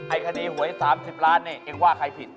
คดีหวย๓๐ล้านนี่เองว่าใครผิด